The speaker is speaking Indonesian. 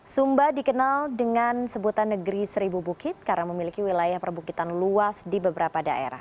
sumba dikenal dengan sebutan negeri seribu bukit karena memiliki wilayah perbukitan luas di beberapa daerah